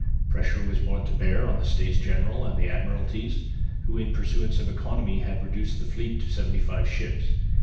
Pressure was brought to bear on the States General and the Admiralties, who in pursuance of economy had reduced the fleet to seventy five ships.